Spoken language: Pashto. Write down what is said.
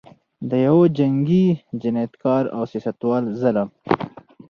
د یوه جنګي جنایتکار او سیاستوال ظلم.